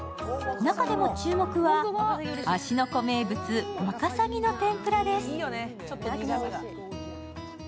中でも注目は芦ノ湖名物、わかさぎの天ぷらです。